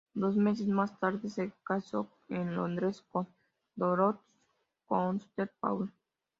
Dos meses más tarde se casó en Londres con Dorothy Koster Paul.